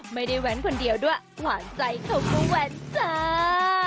แว้นคนเดียวด้วยหวานใจเขาก็แว้นจ้า